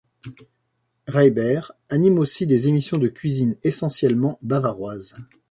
Reiber anime aussi des émissions de cuisine essentiellement bavaroise.